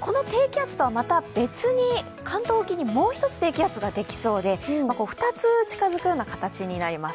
この低気圧とはまた別に関東沖にもう一つ、低気圧ができそうで２つ近づくような形になります。